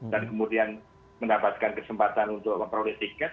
dan kemudian mendapatkan kesempatan untuk memproletiket